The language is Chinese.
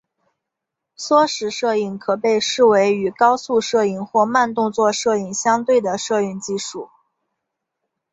缩时摄影可被视为与高速摄影或慢动作摄影相对的摄影技术。